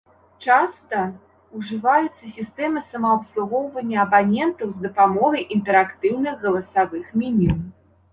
Часта ўжываюцца сістэмы самаабслугоўвання абанентаў з дапамогай інтэрактыўных галасавых меню.